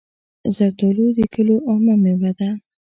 زردالو د کلیو عامه مېوه ده.